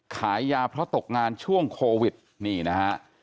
ขายยาเพราะตกงานช่วงโควิดนี่นะฮะ